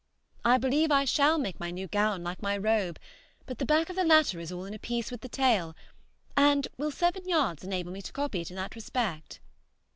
I believe I shall make my new gown like my robe, but the back of the latter is all in a piece with the tail, and will seven yards enable me to copy it in that respect?